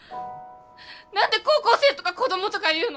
何で高校生とか子供とか言うの！？